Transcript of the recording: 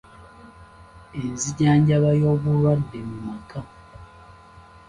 Enzijanjaba y’obulwadde mu maka.